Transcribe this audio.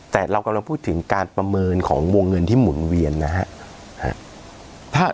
แต่เรากำลังพูดถึงการประเมินของวงเงินที่หมุนเวียนนะครับ